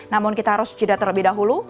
namun kita harus jeda terlebih dahulu